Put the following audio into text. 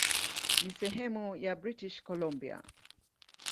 Ni sehemu ya British Columbia.